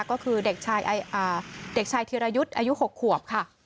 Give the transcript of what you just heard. ก็คือเด็กชายอ่าเด็กชายเทียรายุทธ์อายุหกขวบค่ะ